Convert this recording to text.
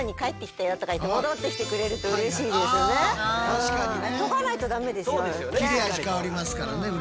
確かにね。